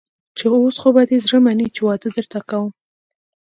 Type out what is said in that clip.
چې اوس خو به دې زړه مني چې واده درته کوم.